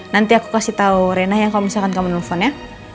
nanti aku kasih tau rena ya kalau misalkan kamu nelfon ya